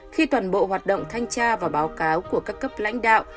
khi toàn bộ hoạt động thanh tra và báo cáo của các cấp lãnh đạo